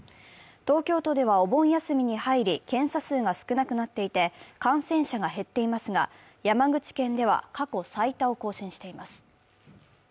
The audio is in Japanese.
東京都ではお盆休みに入り、検査数が少なくなっていて、感染者が減っていますが山口県では過去最多を更新しています。